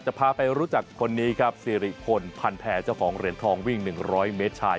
พาไปรู้จักคนนี้ครับสิริพลพันแผ่เจ้าของเหรียญทองวิ่ง๑๐๐เมตรชาย